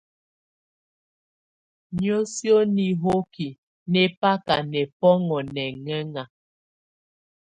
Niǝ́suǝ́ nihoki nɛ́ baka nɛbɔ́ŋɔ nɛŋɛŋá.